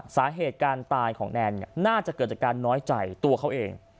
สาเหตุการตายของแนนน่าจะเกิดจากการน้อยใจตัวเขาเอง